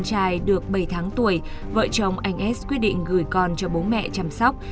trai được bảy tháng tuổi vợ chồng anh s quyết định gửi con cho bố mẹ chăm sóc